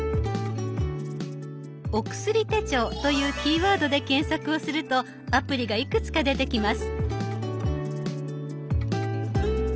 「お薬手帳」というキーワードで検索をするとアプリがいくつか出てきます。